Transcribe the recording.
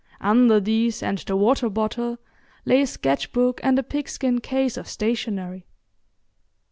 Under these and the water bottle lay a sketch book and a pigskin case of stationery.